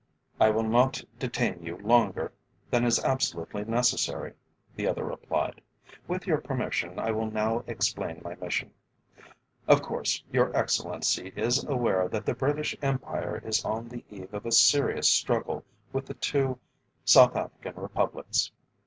"I will not detain you longer than is absolutely necessary," the other replied. "With your permission I will now explain my mission. Of course, your Excellency is aware that the British Empire is on the eve of a serious struggle with the two South African Republics.